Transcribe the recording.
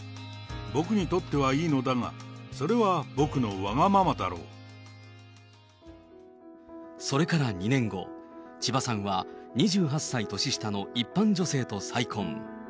僕にとってはいいのだが、それから２年後、千葉さんは２８歳年下の一般女性と再婚。